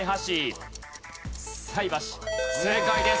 正解です。